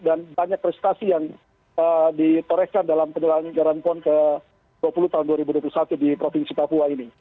dan banyak prestasi yang ditoreskan dalam penyelenggaraan pon ke dua puluh tahun dua ribu dua puluh satu di provinsi papua ini